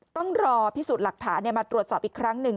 ต้องรอพิสูจน์หลักฐานมาตรวจสอบอีกครั้งหนึ่ง